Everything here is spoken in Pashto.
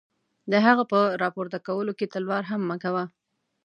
د هغه په را پورته کولو کې تلوار هم مه کوه.